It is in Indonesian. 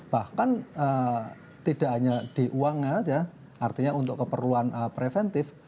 bahkan tidak hanya di uangnya saja artinya untuk keperluan preventif